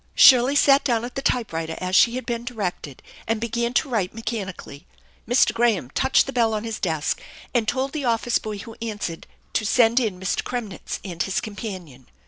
Shirley sat down at the typewriter as she had been directed and began to write mechanically. Mr. Graham touched the bell on his desk, and told the office boy who answered to send in Mr. Kremnitz and his companion.